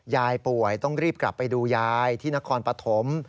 ยายป่วยต้องรีบกลับไปดูยายที่นครปฐม